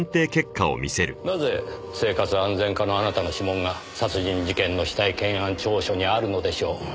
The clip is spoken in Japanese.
なぜ生活安全課のあなたの指紋が殺人事件の死体検案調書にあるのでしょう。